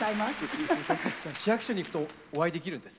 じゃ市役所に行くとお会いできるんですね。